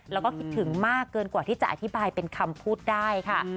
แล้วก็คิดถึงมากเกินกว่าที่จะอธิบายเป็นคำพูดได้ค่ะ